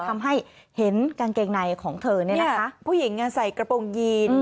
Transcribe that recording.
ทำให้เห็นกางเกงในของเธอเนี่ยนะคะผู้หญิงใส่กระโปรงยีน